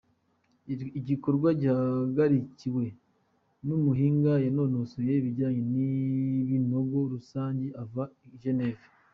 Igikorwa gihagarikiwe n'umuhinga yanonosoye ibijanye n'ibinogo rusangi ava i Geneve.